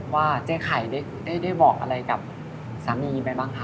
ว่าเจ๊ไข่ได้บอกอะไรกับสามีไปบ้างคะ